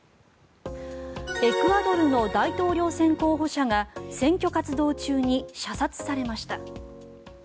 エクアドルの大統領選候補者が選挙活動中に射殺されました。